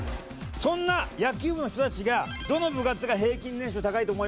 そんな野球部の人たちが「どの部活が平均年収高いと思いますか？」って聞いたら。